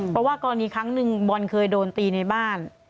เพราะว่ากรณีครั้งหนึ่งบอลเคยโดนตีในบ้าน